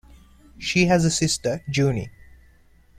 She has a sister, Junie.